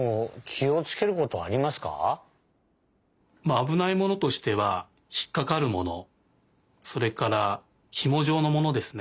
あぶないものとしてはひっかかるものそれからひもじょうのものですね。